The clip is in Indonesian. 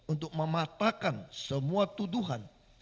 untuk mematakan semua tuduhan